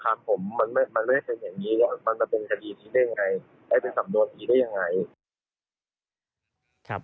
แต่ไม่สำนวนอีกเลย